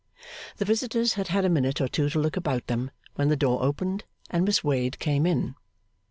The visitors had had a minute or two to look about them, when the door opened and Miss Wade came in.